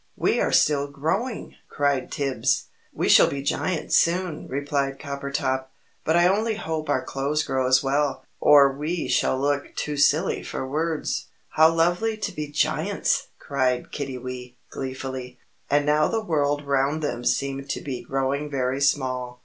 "We are still growing!" cried Tibbs. "We shall be giants soon," replied Coppertop; "but I only hope our clothes grow as well, or we shall look too silly for words." "How lovely to be giants!" cried Kiddiwee, gleefully. And now the world round them seemed to be growing very small.